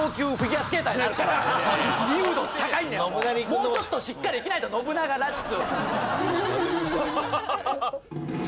もうちょっとしっかり生きないと信長らしく。